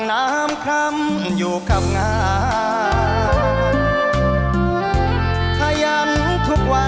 ช่วยฝังดินหรือกว่า